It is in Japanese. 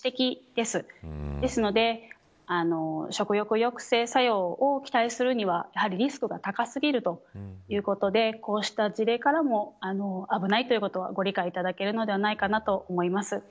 ですので、食欲抑制作用を期待するには、やはりリスクが高すぎるということでこうした事例からも危ないということはご理解いただけるのではないかなと思います。